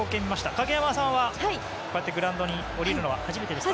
影山さんはこうやってグラウンドに下りるのは初めてですか？